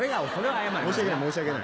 申し訳ない申し訳ない。